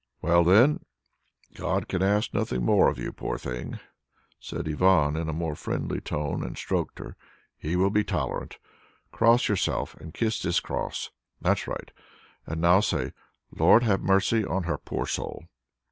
'" "Well then, God can ask nothing more of you, poor thing," said Ivan in a more friendly tone and stroked her. "He will be tolerant. Cross yourself and kiss this cross. That's right. And now say, 'Lord, have mercy on her poor soul.'"